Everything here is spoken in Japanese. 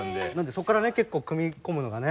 そっからね結構組み込むのがね。